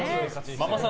ママさん